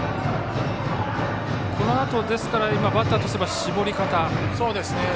このあとバッターとしては絞り方、どうでしょう。